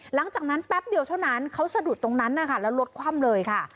หลังจากนั้นแป๊บเดียวเท่านั้นเขาสะดุดตรงนั้นแล้วลดคว่ำเลยค่ะ